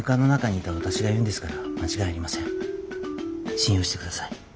信用してください。